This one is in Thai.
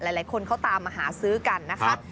หลายคนเขาตามมาหาซื้อกันนะคะ